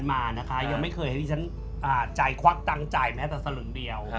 พอไม่ได้ก็จะเจอคนนี้